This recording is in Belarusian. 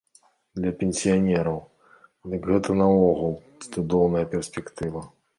Для пенсіянераў, дык гэта нагул цудоўная перспектыва.